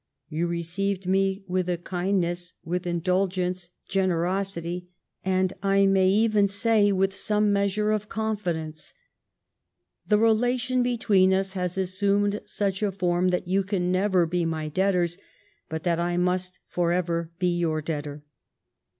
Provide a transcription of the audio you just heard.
You received me with kind ness, with indulgence, generosity, and, I may even GLADSTONE SUPPORTS POPULAR SUFFRAGE 259 say, with some measure of confidence. The rela tion between us has assumed such a form that you can never be my debtors, but that I must forever be your debtor."